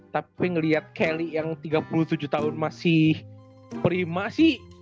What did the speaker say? tapi ngeliat kelly yang tiga puluh tujuh tahun masih prima sih